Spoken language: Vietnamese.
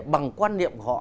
bằng quan niệm của họ